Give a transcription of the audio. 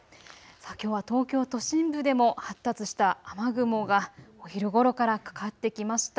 きょうは東京都心部でも発達した雨雲がお昼ごろからかかってきました。